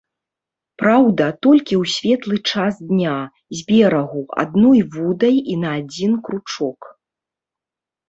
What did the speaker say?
Праўда, толькі ў светлы час дня, з берагу, адной вудай і на адзін кручок.